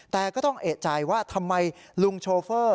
แต่ก็ต้องเอกใจว่าทำไมลุงโชเฟอร์